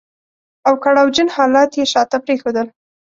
او کړاو جن حالات يې شاته پرېښودل.